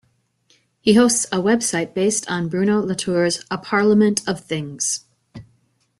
He hosts a website based on Bruno Latour's 'A Parliament of Things'.